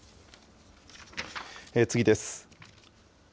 次です。